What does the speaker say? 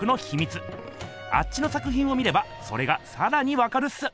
あっちの作ひんを見ればそれがさらにわかるっす！